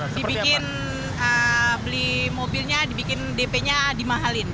dibikin beli mobilnya dibikin dp nya dimahalin